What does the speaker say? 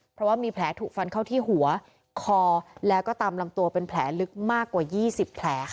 เพราะว่ามีแผลถูกฟันเข้าที่หัวคอแล้วก็ตามลำตัวเป็นแผลลึกมากกว่า๒๐แผลค่ะ